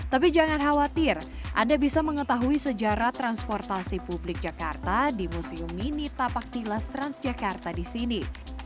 tapi jangan khawatir anda bisa mengetahui sejarah transportasi publik jakarta di museum ini tapak tilas transjakarta disini